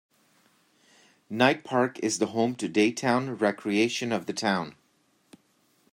Knight Park is the home to daytime recreation of the town.